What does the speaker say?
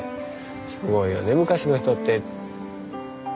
すごいよね昔の人って。